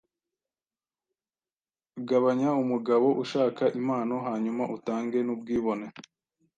gabanya umugabo ushaka impano, hanyuma utange nubwibone.